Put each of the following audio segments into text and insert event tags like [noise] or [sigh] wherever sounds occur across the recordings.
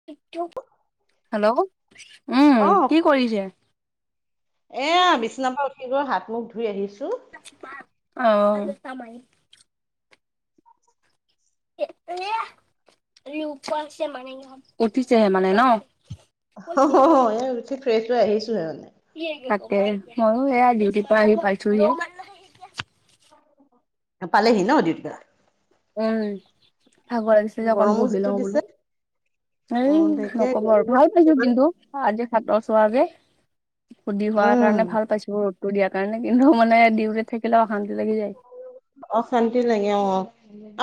[unintelligible] Hello উম অ', কি কৰিছে কি কৰিছে কি কয় হাত মুখ ধুই আহিছো। [unintelligible] অ [unintelligible] উঠিছেহে মানে ন অ অ এ উঠি ফ্ৰেছ হৈ আহিছোহে মানে। কি এইগিলাক তাকে ময়ো এয়া ডিউটিৰ পৰা আহি পাইছোহি। পালেহি ন ডিউতিৰ পৰা উম ভাগৰ লাগিছে যে অকণ গৰমো বহি যিটো লওঁ দিছে। বোলো। এই অ', তাকে নক'ব আৰু ভাল পাইছো কিন্তু অ আজি সাতৰ চোৰা যে সুধি হোৱাৰ উম, কাৰণে ভাল পাইছো ৰ'দটো দিয়াৰ কাৰণে, কিন্তু মানে ডিউটিত থাকিলে অশান্তি লাগি যায়। অশান্তি লাগে অ',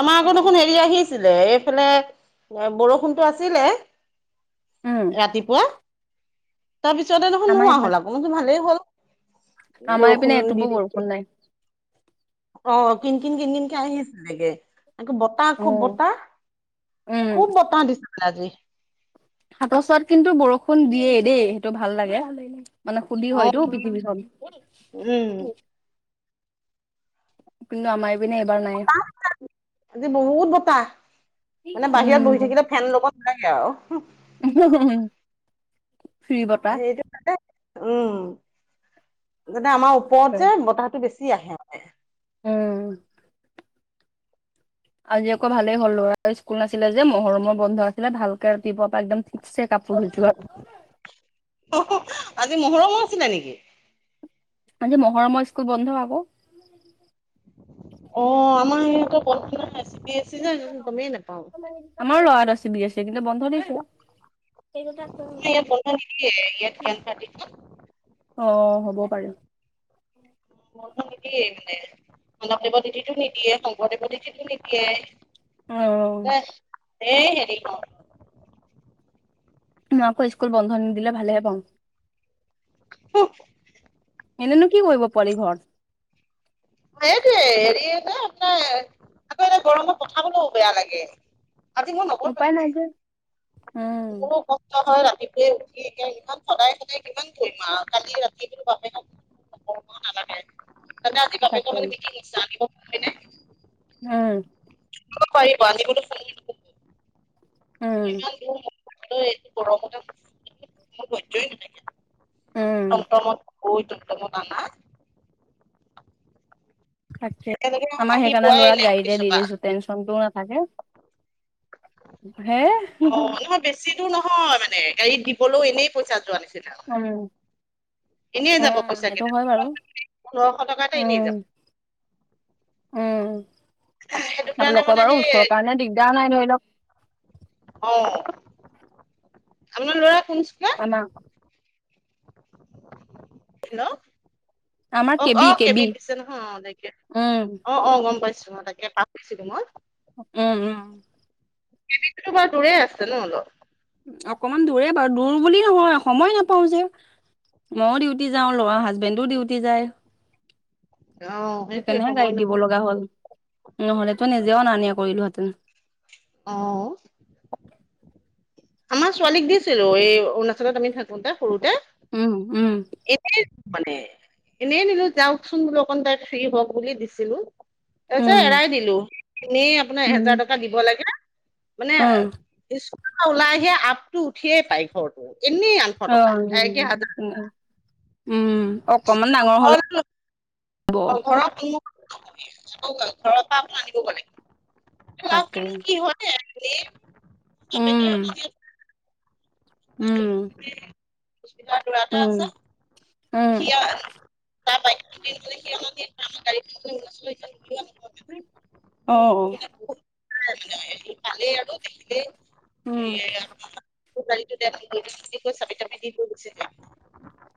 আমাৰ আকৌ দেখোন হেৰি আছিলে এইফালে বৰষুণটো আছিলে। উম। ৰাতিপুৱা, তাৰপিছতে আমাৰ নোহল-নোহোৱা এইপিনে হ'ল আকৌ [unintelligible] ভালেই হ'ল। আমাৰ বৰষুণ এইপিনে দি এটোপো দি। বৰষুণ নাই। অ', কিনকিন, কিনকিনকে আহিছিলে চাগে। একো বতাহ, অ খুব বতাহ, উম খুব বতাহ দিচে বোলে আজি। সাগচত কিন্তু বৰষুণ দিয়ে দেই, সেইটো ভাল লাগে। মানে শুদ্ধি অ', হয়তো পৃথিৱীখন। উম, কিন্তু আমাৰে পিনে এবাৰ নাই। [unintelligible] আজি বহুত বতাহ, মানে বাহিৰত বহি উম থাকিলে ফেন ল'ব লাগে আৰু। [unintelligible] ফ্ৰী বতাহ [unintelligible] উম, মানে আমাৰ ওপৰত হয়। যে বতাহটো বেছ [unintelligible] আহে মানে। উম। আজি আকৌ ভালেই হ'ল, ল'ৰাৰ স্কুল নাছিলে যে মহৰমৰ বন্ধ আছিলে, ভালকে ৰাতিপুৱা পাৰ একদম ঠিকছে কাপোৰ ধুলোঁ। [unintelligible] আজি মহৰমো আছিলে নেকি? আজি মহৰমৰ স্কুল বন্ধ আকৌ। অ', আমাৰ সিহঁতৰ বন্ধ নাই ছি বি এ আমাৰো ল'ৰাটোৰ চি বি এছ চি, কিন্তু বন্ধ দিছে। নাই ইয়াত বন্ধ নিদিয়ে ইয়াত [unintelligible] ন। অ', হ'ব পাৰে। বন্ধ নিদিয়েই মানে, মুনৱদেৱৰ তিথিটো নিদিয়ে, শংকৰদেৱৰ তিথিটো নিদিয়ে। অ দেহ, এই হেৰি ক। মই আকৌ স্কুল বন্ধ নিদিলে ভালেহে পাওঁ। হুঁ। এনেনো কি কৰিব পোৱালি ঘৰত? হয়েটোৱে হেৰি এ যে, আপোনাৰ আকৌ এই যে গৰমত পঠাবলৌ বেয়া লাগে। আজি মই উপায় নপঠালোৱে নাই যে উম [unintelligible] মোৰো ক ষ্ট হয়, ৰাতিপুৱেই উঠি একে ইমান সদায় সদায় কিমান কৰিম আৰু কালি ৰাতিটো বাপেকক [unintelligible] নালাগে সেইকাৰণে আজি তাকে বাপেকৰ মানে [unintelligible] আনিব [unintelligible] উম। [unintelligible] পাৰিব আনিবলৈ কোন? উম স্কুলো ইমান দূৰ মোৰ [unintelligible] এইটো গৰমত [unintelligible] মোৰ ধৈৰ্য্যই নাথাকে। উম টমটমত গৈ টমটমত আনা। তাকে, একেলগে আমাৰ আহি সেইকাৰণে পোৱাই ল'ৰাক নাই গাড়ীতে অফিচৰ দি পৰা দিছো। টেনচনটো নাথাকে হে, হুঁ অ হুঁ। নহয় বেছি দূৰ নহয় মানে, গাড়ীত দিবলৈ এনেই পইচা যোৱা নিছ অম। যাব উম, পইচা এইটো কেইটা হয় বাৰু, পোন্ধৰশ টকা এটা এনেই যাব উম। উম, সেইটো কাৰণে মানে আপোনালোকৰ বাৰু সেই ওচৰৰ কাৰণে দিগদাৰ নাই ধৰি লওঁক অ', আপোনাৰ ল'ৰা কোন স্কুলত? [unintelligible] হেল্ল', আমাৰ অ', অ কেবি ', কে কেবি বিত দিছে নহয় অ, তাকে উম অ', অ', গম পাইছো মই তাকে। পাহৰিছিলো মই। উম-উম। কে বি টোতো বাৰু দূৰেই আছে ন অলপ। অকনমান দূৰে বাৰু দূৰ বুলি নহয় সময় নাপাওঁ যে। ময়ো ডিউটি যাওঁ ল'ৰা হাজবেণ্ডো ডিউটি যায়। অ সেইটোৱে সেইকাৰণেহে সময় গাড়ীত দিব নহয় লগা হ'ল নহ'লেতো নিজেও অন নিয়া কৰিলো হেঁতেন। অহ', আমাৰ ছোৱালীক দিছিলো এই অৰুণাচলত আমি থাকোতে সৰুতে উম-উম। এনেই নিলো মানে এনেই নিলো যাওঁকচোন বোলো অকণ তাই ফ্ৰী হওঁক বুলি দিছিলো। তাৰপিছত উম এৰাই দিলো এনেই আপোনাৰ এহেজাৰ উম টকা দিব লাগে। মানে উম স্কুলৰ পৰা ওলাই আহিয়ে আপটো উঠিয়ে পাই ঘৰটো এনেই আনো। অ, উম - উম - উম অকমান ডাঙৰ হ'লে হ'ব অ, ঘৰত আকৌ ঘৰৰ পৰা আপনি আনিব পাৰে। তাকে উম [unintelligible] উম, [unintelligible] দূৰতে উম আছে। উম, সি তাৰ বাইক খন কিনিবলে সি আমাক অ ইয়াত [unintelligible] [unintelligible] উম, [unintelligible] চাবি তাবি দি থৈ গুছি যায়।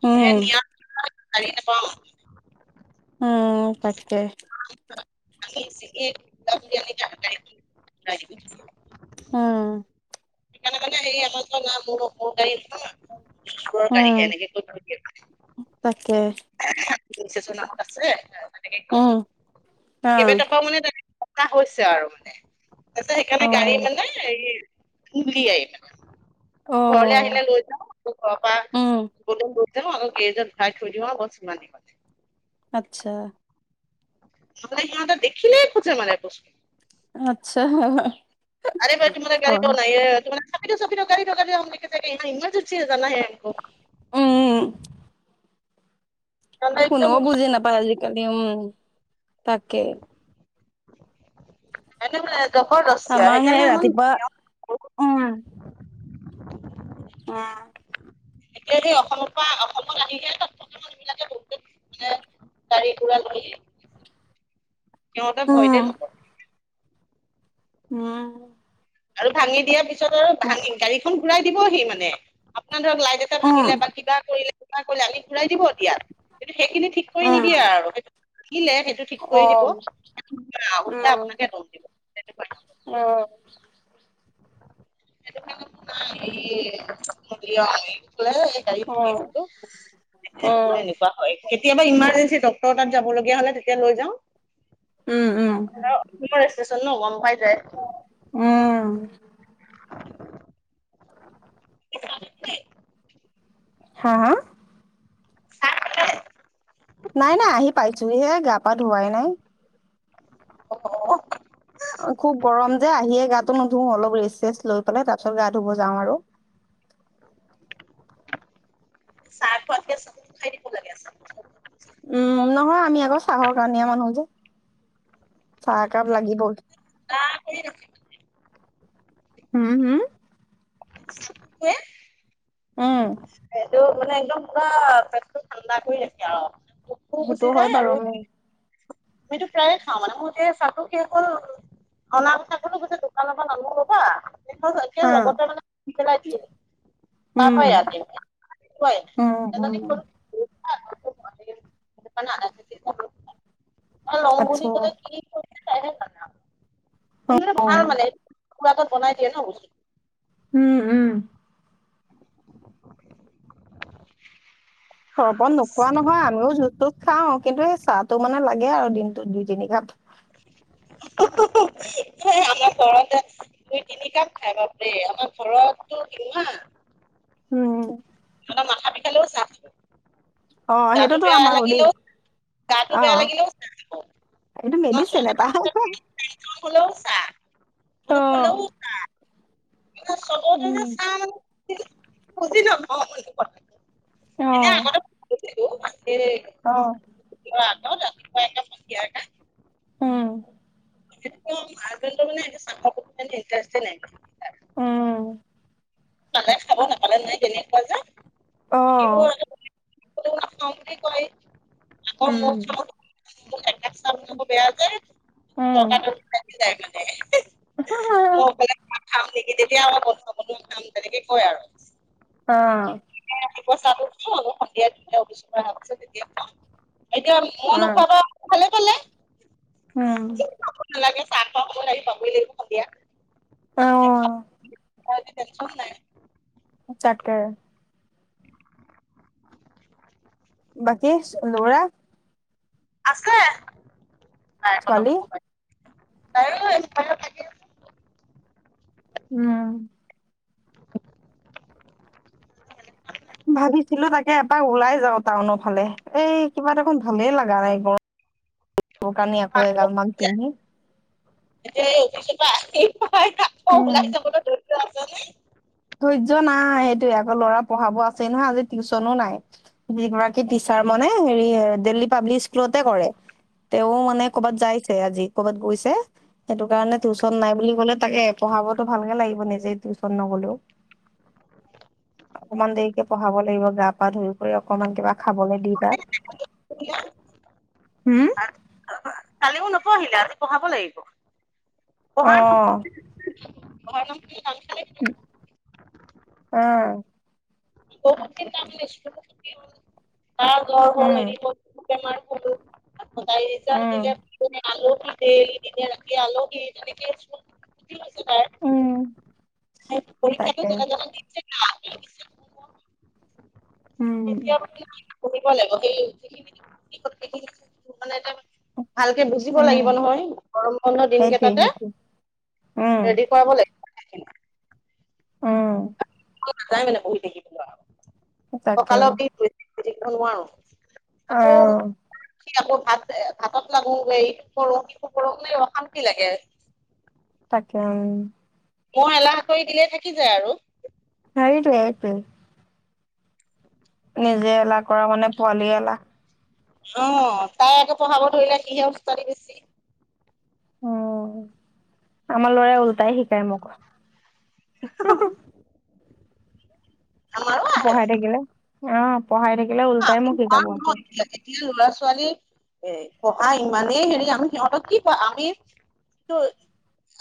উম [unintelligible] উম-উম তাকে। [unintelligible] অ ', সেইকাৰণে মানে হেই আমাৰ ওচৰত নাই মোৰ নতুন গাড়ী ওচৰত [unintelligible] উম, সেনেকে কৰি থৈ দিয়ে। তাকে [unintelligible] নামত আছে, সেয়া সেনেকে কয় উম, অ', কেবেটা পাওঁ মানে তেনেকে [unintelligible] হৈছে আৰু মানে, তাৰপিছত সেইকাৰণে গাড়ী অ', মানে এই ফুুলি [unintelligible] ঘৰলে অ', আহিলে লৈ [unintelligible] ঘৰ পা উম, গ'লে লৈ যাওঁ আৰু গেৰেজত ভৰাই থৈ দিওঁ আৰু বছ সিমানেই। আচ্ছা। নহ'লে সিহঁতে দেখিলেই খোজে মানে কৈছোঁ। আচ্ছা আৰে পা তোমাৰ গাড়ী হয়, [unintelligible] [unintelligible] উম-উম। তাৰমানে একদম কোনৌ বুজি নাপায় আজিকালি উম, তাকে। এনে মানে দহৰ দচতিয়া আমাৰ সেই সেইকাৰণে ইমান ৰাতিপুৱা উম, উম, এতিয়া সেই অসম পা অসমত আহিহে [unintelligible] বিলাকে বহুতে মানে গাড়ী ঘোৰা লৈয়ে। সিহঁতে ভয়তে উম, নকৰে। উম' আৰু ভাঙি দিয়াৰ পিছতো আৰু উম, উম, ভাঙি গাড়ীখন ঘূৰাই দিবহি মানে, আপোনাৰ ধৰক লাইট এ- টে ভাঙিলে বা কিবা কৰিলে কিবা কৰিলে আনি ঘূৰাই দিব এতিয়া, কিন্তু সেইখিনি ঠিক কৰি উম, নিদিয়ে আৰু সেইটো- আহিলে সেইটো ঠিক কৰি দিব, অ', ওলোটাই উম, আপোনাকহে দম দিব। অ' সেইটো কাৰণে বোলো নাই, এই এ হেয়ি অ এ কি বোলে? গাড়ি কিনি অ', আছিলো, এতিয়া মানে অ', এনেকুৱা- হয়, কেতিয়াবা ইমাৰ্জেঞ্চি ডক্টৰ তাত যাবলগীয়া হ'লে তেতিয়া লৈ যাওঁ। উম উম' বহুত দিনৰ ৰেষ্টেচন ন' গম পাই যায়। উম, [inaudible] [unintelligible] হাঁ হাঁ? চাহ খালে? নাই নাই আহি পাইছোহি হে, গা পা ধোৱাই নাই। অঁ' খুব গৰম যে আহিয়ে গাটো নুধুঁ, অলপ ৰেষ্ট চেষ্ট লৈ পেলাই তাৰ পিছত গা ধুব যাওঁ আৰু। চাহ খোৱাতকে চাবোন খাই দিব লাগে আক। উম' নহয় আমি আকৌ চাহৰ কাণিয়া মানুহ যে, চাহ একাপ খাই লাগিবই। [unintelligible] হুওম' হুম'। [unintelligible] উম সেইটো মানে একদম পুৰা পেটটো ঠাণ্ডা কৰি ৰাখে আও। সেইটো হয় বাৰু মো। সেইটো প্ৰায় খাওঁ মানে, মো এতিয়া চাতো শেষ হল। অনা কথা কলো কৈছে দোকানৰ পৰা নানো ৰবা, একে হা। লগতে মানে বান্ধি পেলাই দিয়ে। উম। পাবাই ইয়াতে উম উম [unintelligible] এইটো জানা [unintelligible] এ লওং বুলি আচ্ছা কলে কি কৰে তাইহে জানে আও। আৰু মানে অ। ভাল মানে, খুৰাত তাত বনাই দিয়ে ন বস্তু। হুওম, উম'। চৰ্বত নোখোৱা নহয় আমিও জোচতো খাওঁ, কিন্তু সেই চাহটো মানে লাগ- গে আৰু দিনটোত দুই তিনি কাপ। সে আমাৰ ঘৰতে দুই তিনি কাপ খাই বাপৰে, আমাৰ ঘৰতটো সিদিনা- উম' মানে মাথা বিষালেও চাহ- খাব অঁ' গাটো সেইটোতো বেয়া আমাৰো দেই, লাগিলেও গাটো বেয়া অঁ। লাগিলেও চাহ খাব এইটো আমাৰ মেডিছেনে এটা, ছোৱালী হলেও চাহ দুখ অঁ। হলেও চাহ [unintelligible] অ এনে আগতে গৈছিলো, এ। অঁ' অ আকৌ ৰাতিপুৱা একাপ ধুনীয়াকে। অঁ' হাজবেণ্ডৰ মানে চাহ খোৱাত ইমান ইন্টাৰেষ্টে নাই। উম। পালে খাব নাপালে নাই তেনেকুৱা যে থাকিব অ। আৰু। [inaudible] [inaudible] বেয়া যে তৰ্কা তৰ্কী লাগি যায় গে। মই অকলে খাম নেকি, তেতিয়া আকৌ [inaudible] খাম তেনেকে কয় আৰু। অ' ৰাতিপূৱা চালো তু সন্ধিয়া ধৰ অফিচ তেতিয়া [inaudible] মই নোখোৱা পা ভালে পালে। উম। নালাগে চাহ খোৱা সময়ত আহি পাব লাগিব সন্ধিয়া অ [inaudible] [unintelligible] নাই তাকে বাকী লৰা আছে বায়েকৰ ছোৱালী লগত তাইও [inaudible] উম। ভাবিছিলো তাকে এপাক ওলাই যাও টাউনৰ ফালে এই কিবা দেখোন ভালেই লগা নাই গৰমত কাপোৰ কানি আকৌ এগাল মান পিন্ধি। এ অফিচতো আহি তাকো ওলাইছে [inaudible] ধৈৰ্য্য নাই, সেইটোয়ে আকৌ ল'ৰা পঢ়াব আছেই নহয় আজি টিউশচনো নাই। যিগৰাকী টিচাৰ মানে হেৰি দিল্লী পাব্লিক স্কুলতে কৰে। তেওঁ মানে কৰবাত যাইছে আজি, কৰ'বাত গৈছে। সেইটো কাৰণে টিউশচন নাই বুলি ক'লে তাকে পঢ়াবতো ভালকে লাগিব নিজে টিউচন নগলেও। অকমান দেৰিকে পঢ়াব লাগিব গা পা ধুই কৰি অকমান কিবা। খাবলে দি তাক হম। কালিও নপঢ়িলে আজি পঢ়াব লাগিব অ পঢ়াৰ। ঘৰ নাম কি [inaudible] অ' [inaudible] আকৌ তাইৰ ৰিজাল্ট উম দিলে। আলহী ডেইলী দিনে উম ৰাতিয়ে আলহী তেনেকে স্কুল উঠি গৈছে তাৰ উম। তাকে পৰীক্ষাটো যেন তেনে দিছে [inaudible] উম [inaudible] [inaudible] উম লাগিব নহয় গৰম বন্ধ দিন সেইটোৱে কেইটাতে সেইটোৱে উম ৰেডি কৰাব লাগিব [inaudible] উম। নাাই মানে বহি থাকিব ন' আৰু তাকে ককালৰ বিষ বহি কি থাকিব নোৱাৰো। অ আকৌ। সি আকৌ ভাত ভাতত লাগো এই কৰোঁ শিশু কৰো নে অশান্তি লাগে। তাকে উম। মই এলাহ কৰি দিলে থাকি যায় আৰু। [inaudible] নিজে এলাহ কৰা মানে পোৱালি এলাহ। অ' তাই আকৌ পঢ়াব ধৰিলে কি অৱস্থা। অ' আমাৰ ল'ৰাই উওল্টাই শিকায় মোক। [inaudible] আমাৰু আহে। পঢ়াই থাকিলে অ পঢ়াই থাকিলে ওলটাই আমি মোক শিকাব নোৱাৰো আকৌ। ন এতিয়া এতিয়া ল'ৰা ছোৱালী এ পঢ়া ইমানেই হেৰি আমি সিহঁতক কি কোৱা আমি ত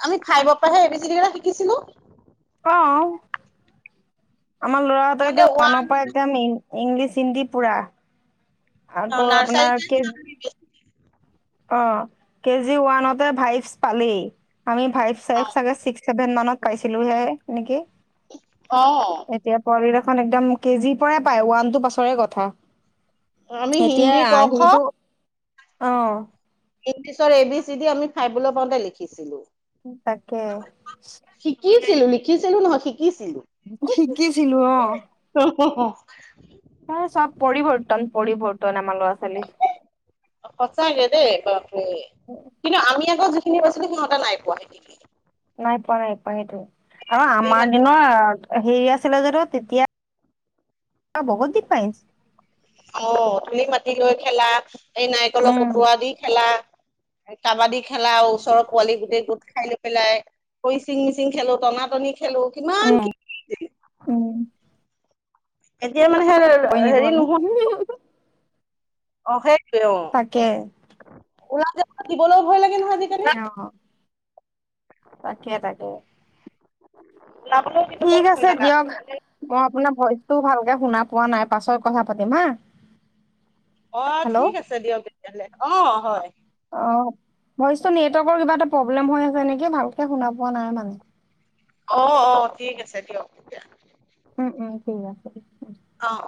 আমি ফাইব পৰাহে এবি -চিডি, কেইটা শিকিছিলো। অ আমাৰ ল'ৰাহঁতৰ সিহঁতে এতিয়া ওৱান ওৱানৰ পৰা একজাম মেন ইংলিছ, হিন্দী, পুৰা আকৌ নাৰ্চাৰীতে আপোনাৰ কে অ কেজি ওৱানতে ভাইভচ পালেই আমি ভাইফ চাইফ চাগে ষাঠি চেভেন মানত পাইছিলো হে নেকি? অ এতিয়া পোৱলিখন একদম কেজিৰ পৰাই পায় ওৱান টু, পাছৰে কথা। আমি এতিয়া হিন্দী ক খ সেইটো আহ ইংলিছৰ, এ, বি, চি, ডি আমি ফাইলৈ পাওঁতে লিখিছিলো। তাকে শিকিছিলো লিখিছিলো নহয় শিকিছিলো। শিকিছিলো অ অ এ চব পৰিৱৰ্তন -পৰিৱৰ্তন আমাৰ ল'ৰা -ছোৱালী। সঁচাকে দেই বাপৰে উ কিন্তু আমি আকৌ যিখিনি পাইছিলো সিহঁতে নাই পোৱা সেইখিনি। নাই পোৱা নাই পোৱা সেইটো আৰু ধূলি আমাৰ মাটি দিনৰ। হেৰি আছিলে জানো তেতিয়া বহুত ডিফাৰেণ্ট। অ দুলি, মাতি লৈ খেলা এই নাৰিকলৰ, উম পটোৱা দি খেলা। কাবাডী খেলা আৰু ওচৰৰ পোৱালি গোটেই গোট খাই লৈ পেলাই। কইচিং -মিচিং খেলো টনা টনি খেলো কিমান উম' কি উম' এতিয়া মানে সে কৈ নিদো হেৰি আমি নোহোৱা অ সেইটয়ে অ তাকে ওলা হাতত দিবলৈ ভয় লাগে নহয় আজি। অ তাকে তাকে [inaudible] ঠিক ভয় আছে লগা দিয়ক হ'ল মই আপোনাৰ ভইচ টো ভালকে শুনা পোৱা নাই পাছত কথা পাতিম হা। অ হেল্ল' ঠিক আছে দিয়ক তেতিয়াহ'লে অ হয়। অ ভইচ টো নেটৱৰ্কৰ কিবা এটা প্ৰব্লেম হৈ আছে নেকি ভালকে শুনা পোৱা নাই মানে। অ অ ঠিক আছে দিয়ক তেতিয়া। উম উম ঠিক আছে। অ